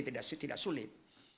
jadi untuk memenuhi itu tidak sulit